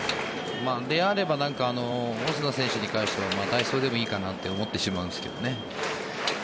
であればオスナ選手に対しては代走でもいいかなと思ってしまうんですがね。